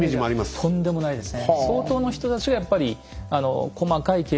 とんでもないですね。